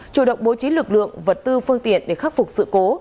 chủ động bố trí lực lượng vật tư phương tiện để khắc phục sự cố